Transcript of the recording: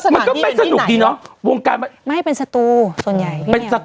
อยากรู้ว่าสถานที่แนนที่ไหน